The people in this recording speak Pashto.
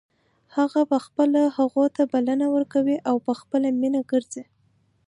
هغه په خپله هغو ته بلنه ورکوي او په خپله مینه ګرځي.